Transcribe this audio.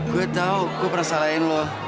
gua tau gua pernah salahin lo